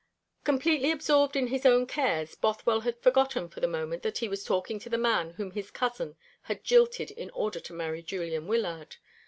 Completely absorbed in his own cares, Bothwell had forgotten for the moment that he was talking to the man whom his cousin had jilted in order to marry Julian Wyllard.